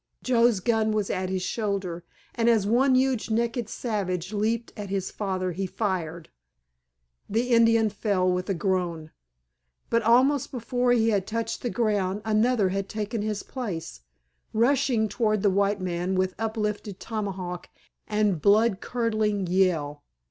Joe's gun was at his shoulder, and as one huge naked savage leaped at his father he fired. The Indian fell with a groan, but almost before he had touched the ground another had taken his place, rushing toward the white man with uplifted tomahawk and blood curdling yell.